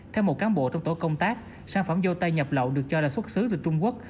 theo một cán bộ trong tổ công tác sản phẩm dô tay nhập lậu được cho là xuất xứ từ trung quốc